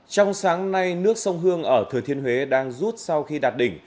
trong sáng nay nước sông hương ở thừa thiên huế đang rút sau khi đạt đỉnh